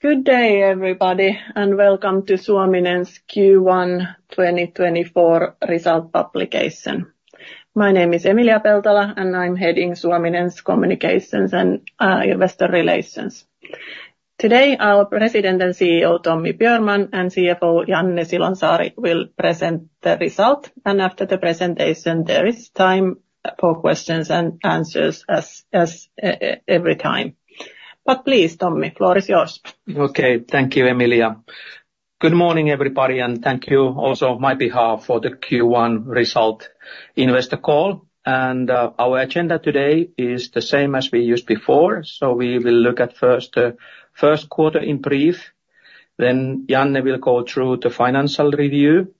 Good day, everybody, and welcome to Suominen's Q1 2024 result publication. My name is Emilia Peltola, and I'm heading Suominen's Communications and Investor Relations. Today our President and CEO Tommi Björnman and CFO Janne Silonsaari will present the result, and after the presentation there is time for questions and answers as every time. Please, Tommi, floor is yours. Okay, thank you, Emilia. Good morning, everybody, and thank you also on my behalf for the Q1 result investor call. Our agenda today is the same as we used before, so we will look at first the first quarter in brief, then Janne will go through the financial review,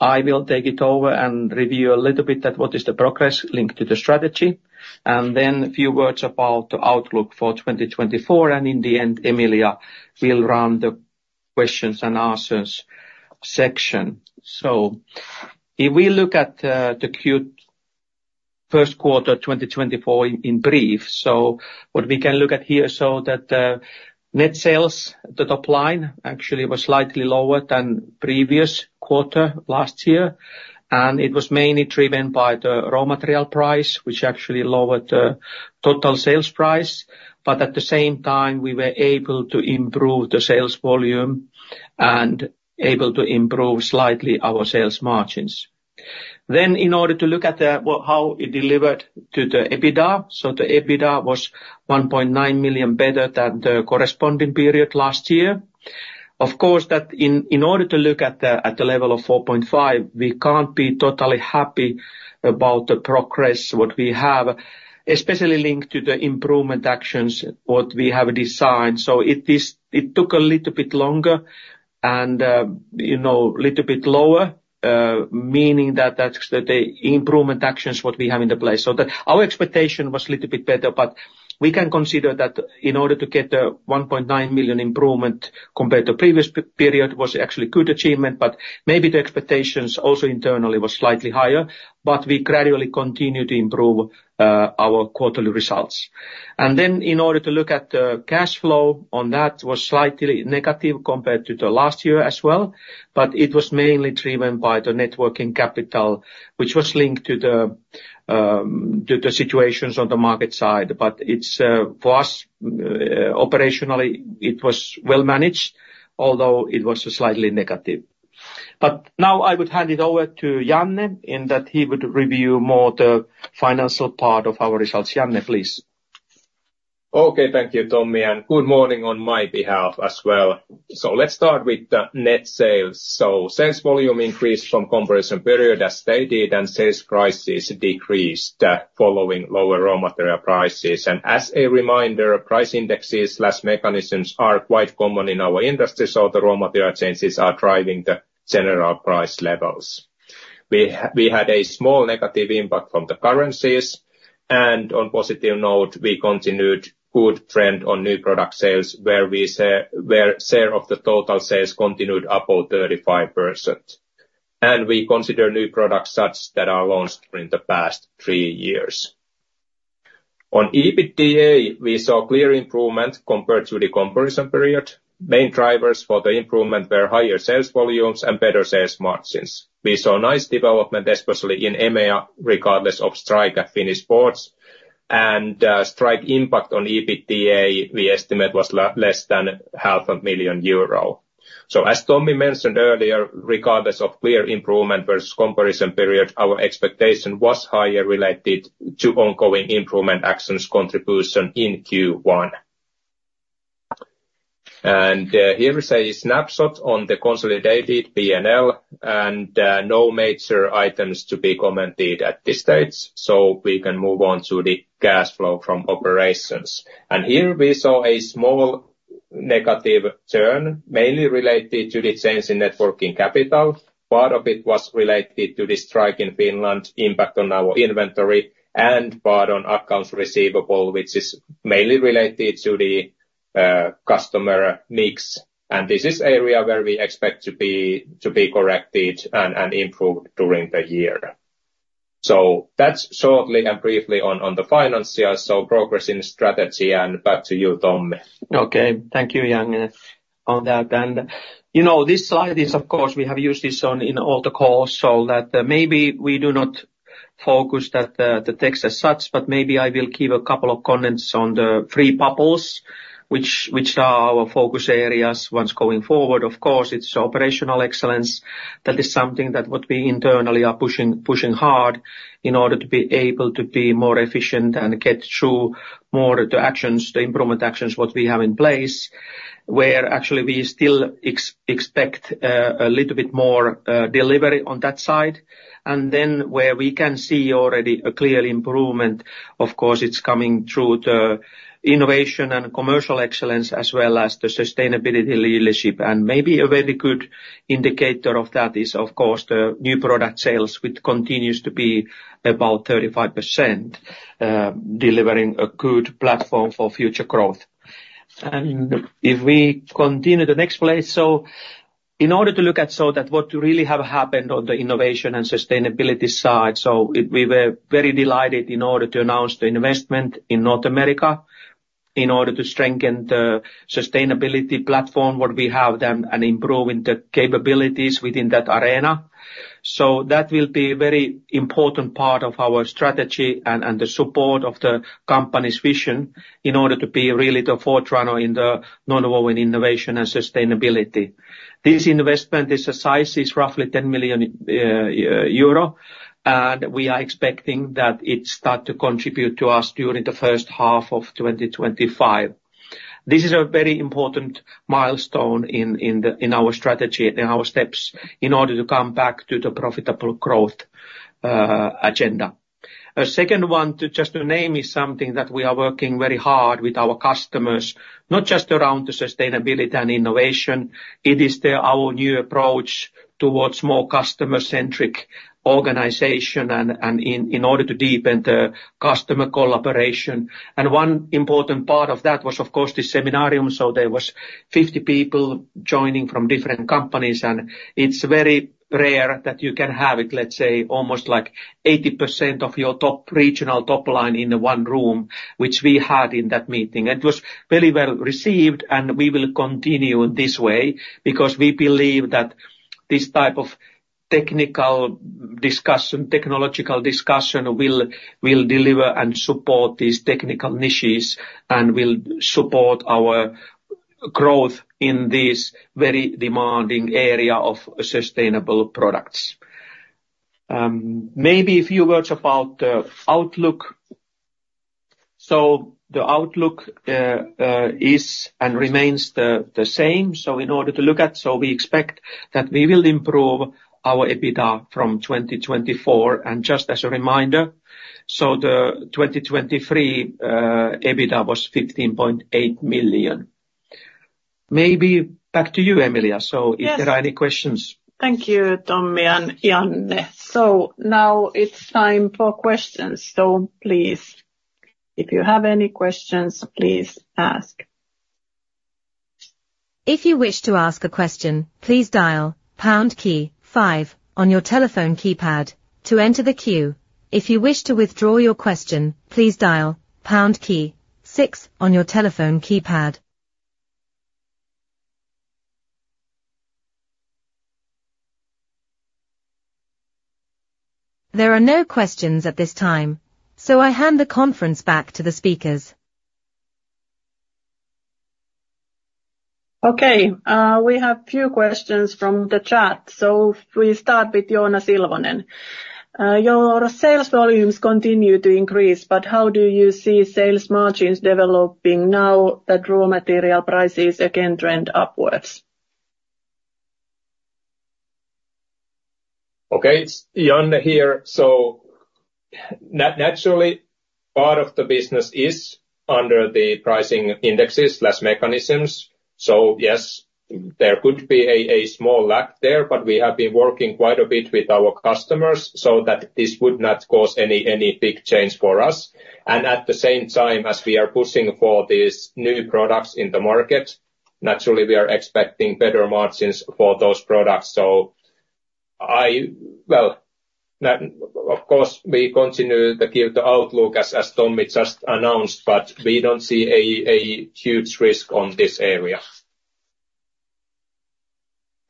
I will take it over and review a little bit at what is the progress linked to the strategy, and then a few words about the outlook for 2024, and in the end Emilia will run the questions and answers section. So if we look at the first quarter 2024 in brief, so what we can look at here is that the net sales, the top line, actually was slightly lower than previous quarter last year, and it was mainly driven by the raw material price, which actually lowered the total sales price, but at the same time we were able to improve the sales volume and able to improve slightly our sales margins. Then in order to look at how it delivered to the EBITDA, so the EBITDA was 1.9 million better than the corresponding period last year. Of course, that in order to look at the level of 4.5, we can't be totally happy about the progress what we have, especially linked to the improvement actions what we have designed, so it took a little bit longer and a little bit lower, meaning that the improvement actions what we have in the place. So our expectation was a little bit better, but we can consider that in order to get the 1.9 million improvement compared to previous period was actually a good achievement, but maybe the expectations also internally was slightly higher, but we gradually continue to improve our quarterly results. And then in order to look at the cash flow on that was slightly negative compared to the last year as well, but it was mainly driven by the net working capital, which was linked to the situations on the market side, but for us operationally it was well managed, although it was slightly negative. But now I would hand it over to Janne in that he would review more the financial part of our results. Janne, please. Okay, thank you, Tommi, and good morning on my behalf as well. Let's start with the net sales. Sales volume increased from comparison period as they did and sales prices decreased following lower raw material prices. As a reminder, price indexes/mechanisms are quite common in our industry, so the raw material changes are driving the general price levels. We had a small negative impact from the currencies, and on a positive note we continued good trend on new product sales where share of the total sales continued upward 35%, and we consider new products such that are launched during the past three years. On EBITDA we saw clear improvement compared to the comparison period. Main drivers for the improvement were higher sales volumes and better sales margins. We saw nice development especially in EMEA regardless of strike at Finnish ports, and strike impact on EBITDA we estimate was less than 500,000 euro. So as Tommi mentioned earlier, regardless of clear improvement versus comparison period, our expectation was higher related to ongoing improvement actions contribution in Q1. And here is a snapshot on the consolidated P&L, and no major items to be commented at this stage, so we can move on to the cash flow from operations. And here we saw a small negative turn mainly related to the change in net working capital. Part of it was related to the strike in Finland impact on our inventory and part on accounts receivable, which is mainly related to the customer mix, and this is an area where we expect to be corrected and improved during the year. So that's shortly and briefly on the financials, so progress in strategy and back to you, Tommi. Okay, thank you, Janne, on that. This slide is of course we have used this on in all the calls, so that maybe we do not focus on the text as such, but maybe I will give a couple of comments on the three pillars, which are our focus areas going forward. Of course it's operational excellence. That is something that what we internally are pushing hard in order to be able to be more efficient and get through more of the actions, the improvement actions what we have in place, where actually we still expect a little bit more delivery on that side. And then, where we can see already a clear improvement, of course it's coming through the innovation and commercial excellence as well as the sustainability leadership, and maybe a very good indicator of that is of course the new product sales which continues to be about 35% delivering a good platform for future growth. And if we continue to the next place, so in order to look at so that what really have happened on the innovation and sustainability side, so we were very delighted in order to announce the investment in North America in order to strengthen the sustainability platform what we have then and improving the capabilities within that arena. So that will be a very important part of our strategy and the support of the company's vision in order to be really the forerunner in the nonwoven innovation and sustainability. This investment is a size is roughly 10 million euro, and we are expecting that it start to contribute to us during the first half of 2025. This is a very important milestone in our strategy, in our steps in order to come back to the profitable growth agenda. A second one to just to name is something that we are working very hard with our customers, not just around the sustainability and innovation. It is our new approach towards more customer-centric organization and in order to deepen the customer collaboration. And one important part of that was of course the seminar, so there was 50 people joining from different companies, and it's very rare that you can have it, let's say, almost like 80% of your top regional top line in the one room, which we had in that meeting. It was very well received, and we will continue in this way because we believe that this type of technical discussion, technological discussion will deliver and support these technical niches and will support our growth in this very demanding area of sustainable products. Maybe a few words about the outlook. The outlook is and remains the same. In order to look at, we expect that we will improve our EBITDA from 2024. And just as a reminder, the 2023 EBITDA was 15.8 million. Maybe back to you, Emilia. Is there any questions? Thank you, Tommi and Janne. Now it's time for questions. Please, if you have any questions, please ask. If you wish to ask a question, please dial pound key five on your telephone keypad to enter the queue. If you wish to withdraw your question, please dial pound key six on your telephone keypad. There are no questions at this time, so I hand the conference back to the speakers. Okay, we have a few questions from the chat. So if we start with Joonas Ilvonen. Your sales volumes continue to increase, but how do you see sales margins developing now that raw material prices again trend upwards? Okay, Janne here. So naturally part of the business is under the pricing indexes/mechanisms. So yes, there could be a small lack there, but we have been working quite a bit with our customers so that this would not cause any big change for us. And at the same time as we are pushing for these new products in the market, naturally we are expecting better margins for those products. So of course we continue to give the outlook as Tommi just announced, but we don't see a huge risk on this area.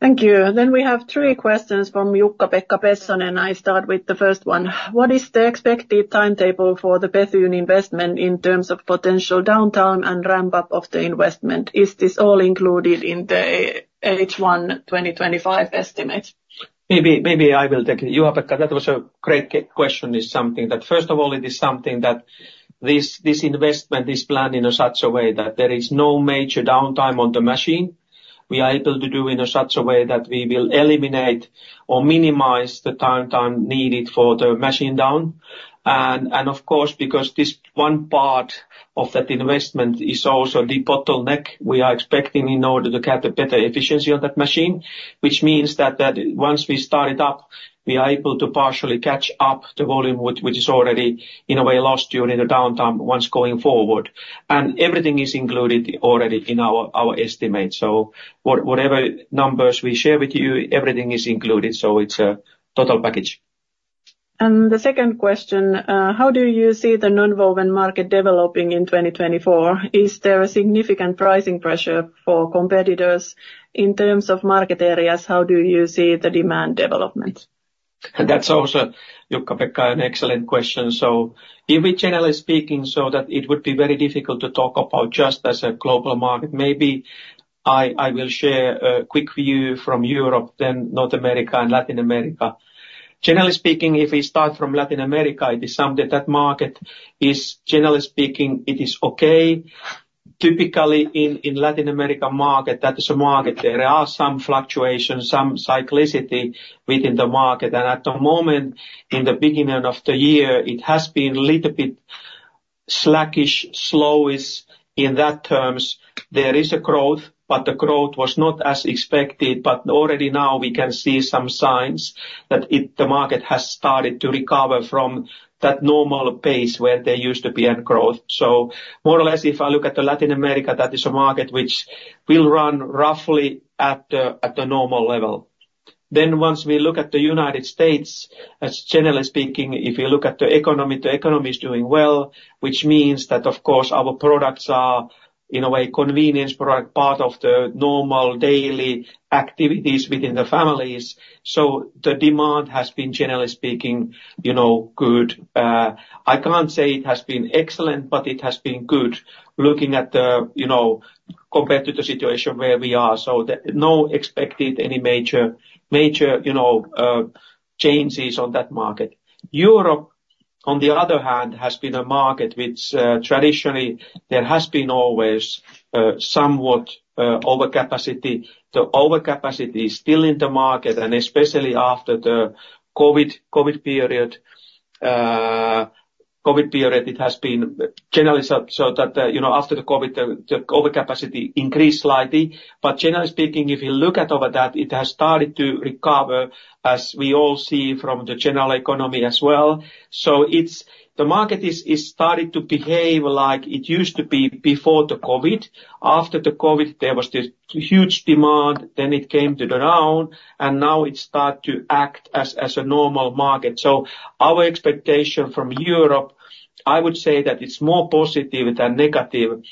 Thank you. Then we have three questions from Jukka-Pekka Pesonen, and I start with the first one. What is the expected timetable for the Bethune investment in terms of potential downtime and ramp-up of the investment? Is this all included in the H1 2025 estimate? Maybe I will take it. Jukka-Pekka, that was a great question. It's something that first of all it is something that this investment is planned in such a way that there is no major downtime on the machine. We are able to do in such a way that we will eliminate or minimize the downtime needed for the machine down. And of course because this one part of that investment is also the bottleneck we are expecting in order to get a better efficiency on that machine, which means that once we start it up, we are able to partially catch up the volume which is already in a way lost during the downtime once going forward. And everything is included already in our estimate. So whatever numbers we share with you, everything is included. So it's a total package. The second question. How do you see the nonwovens market developing in 2024? Is there a significant pricing pressure for competitors in terms of market areas? How do you see the demand development? That's also, Jukka-Pekka, an excellent question. So if we generally speaking so that it would be very difficult to talk about just as a global market. Maybe I will share a quick view from Europe, then North America and Latin America. Generally speaking, if we start from Latin America, it is something that market is generally speaking, it is okay. Typically in Latin America market, that is a market. There are some fluctuations, some cyclicity within the market. And at the moment, in the beginning of the year, it has been a little bit slackish, slowish in that terms. There is a growth, but the growth was not as expected. But already now we can see some signs that the market has started to recover from that normal pace where there used to be growth. So more or less if I look at the Latin America, that is a market which will run roughly at the normal level. Then once we look at the United States, generally speaking, if you look at the economy, the economy is doing well, which means that of course our products are in a way convenience product, part of the normal daily activities within the families. So the demand has been generally speaking good. I can't say it has been excellent, but it has been good looking at the compared to the situation where we are. So no expected any major changes on that market. Europe, on the other hand, has been a market which traditionally there has been always somewhat overcapacity. The overcapacity is still in the market and especially after the COVID period. COVID period, it has been generally so that after the COVID, the overcapacity increased slightly. But generally speaking, if you look at over that, it has started to recover as we all see from the general economy as well. So the market is starting to behave like it used to be before the COVID. After the COVID, there was this huge demand, then it came to the down, and now it started to act as a normal market. So our expectation from Europe, I would say that it's more positive than negative.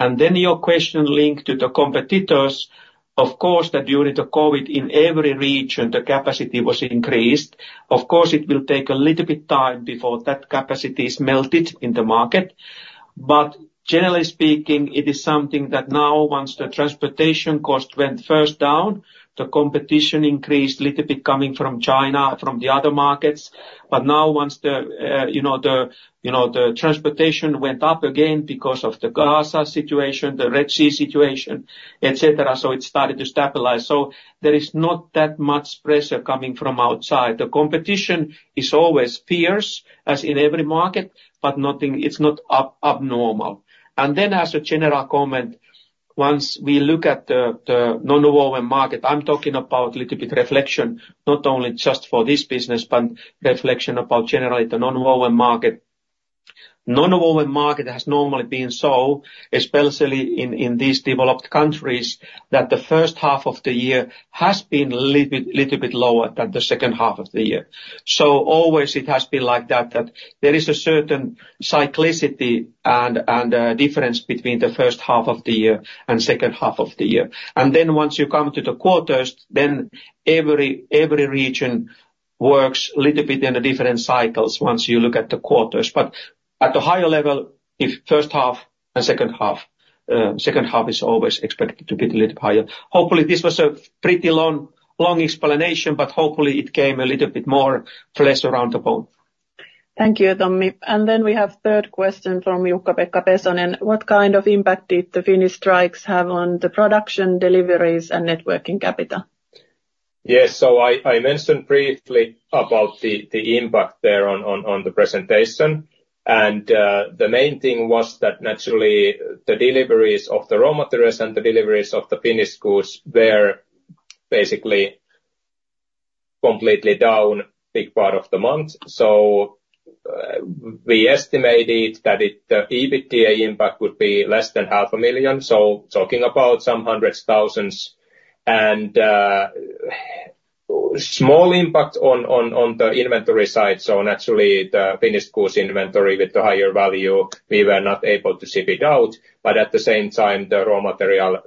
And then your question linked to the competitors, of course that during the COVID in every region, the capacity was increased. Of course, it will take a little bit time before that capacity is melted in the market. But generally speaking, it is something that now once the transportation cost went first down, the competition increased a little bit coming from China, from the other markets. But now once the transportation went up again because of the Gaza situation, the Red Sea situation, etc., so it started to stabilize. So there is not that much pressure coming from outside. The competition is always fierce as in every market, but it's not abnormal. And then as a general comment, once we look at the nonwoven market, I'm talking about a little bit reflection, not only just for this business, but reflection about generally the nonwoven market. Nonwoven market has normally been so, especially in these developed countries, that the first half of the year has been a little bit lower than the second half of the year. So always it has been like that, that there is a certain cyclicity and difference between the first half of the year and second half of the year. Then once you come to the quarters, then every region works a little bit in the different cycles once you look at the quarters. At a higher level, if first half and second half, second half is always expected to be a little bit higher. Hopefully, this was a pretty long explanation, but hopefully it came a little bit more flesh around the bone. Thank you, Tommi. We have third question from Jukka-Pekka Pesonen. What kind of impact did the Finnish strikes have on the production, deliveries, and net working capital? Yes, so I mentioned briefly about the impact there on the presentation. The main thing was that naturally the deliveries of the raw materials and the deliveries of the Finnish goods were basically completely down a big part of the month. So we estimated that the EBITDA impact would be less than 500,000. So talking about some hundreds of thousands EUR. And small impact on the inventory side. So naturally the Finnish goods inventory with the higher value, we were not able to ship it out. But at the same time, the raw material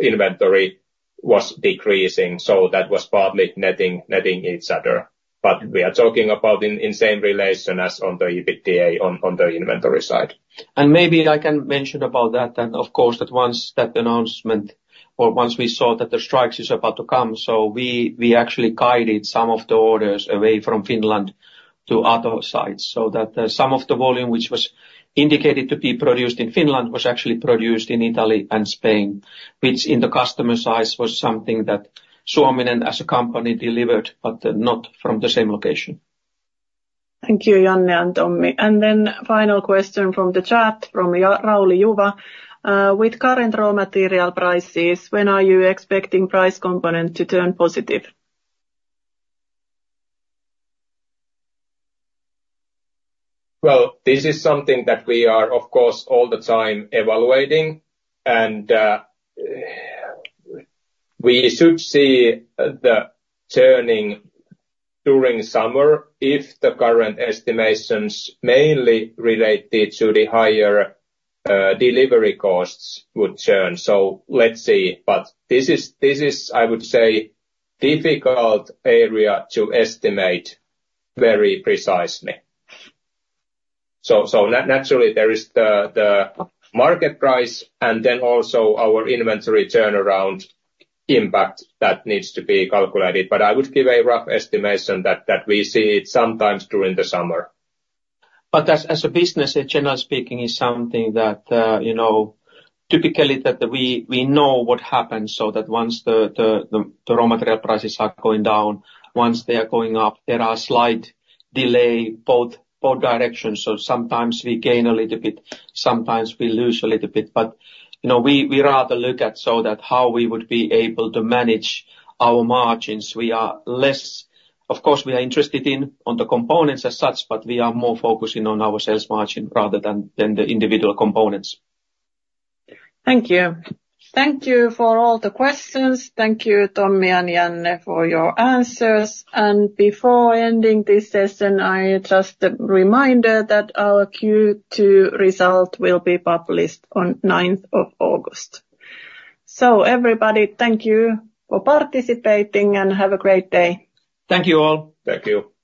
inventory was decreasing. So that was partly netting each other. But we are talking about in same relation as on the EBITDA on the inventory side. Maybe I can mention about that, then of course that once that announcement or once we saw that the strikes is about to come, so we actually guided some of the orders away from Finland to other sites. So that some of the volume which was indicated to be produced in Finland was actually produced in Italy and Spain, which in the customer's eyes was something that Suominen as a company delivered, but not from the same location. Thank you, Janne and Tommi. Final question from the chat from Rauli Juva. With current raw material prices, when are you expecting price component to turn positive? Well, this is something that we are of course all the time evaluating. We should see the turning during summer if the current estimations mainly related to the higher delivery costs would turn. Let's see. This is, I would say, difficult area to estimate very precisely. Naturally there is the market price and then also our inventory turnaround impact that needs to be calculated. I would give a rough estimation that we see it sometimes during the summer. But as a business, generally speaking, is something that typically that we know what happens. So that once the raw material prices are going down, once they are going up, there are slight delay both directions. So sometimes we gain a little bit, sometimes we lose a little bit. But we rather look at so that how we would be able to manage our margins. We are less of course, we are interested in the components as such, but we are more focusing on our sales margin rather than the individual components. Thank you. Thank you for all the questions. Thank you, Tommi and Janne, for your answers. Before ending this session, it's just a reminder that our Q2 result will be published on 9th of August. Everybody, thank you for participating and have a great day. Thank you all. Thank you.